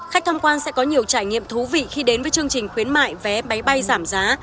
khách tham quan sẽ có nhiều trải nghiệm thú vị khi đến với chương trình khuyến mại vé máy bay giảm giá